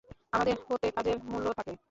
আমাদের প্রত্যেক কাজের মূল্য থাকে।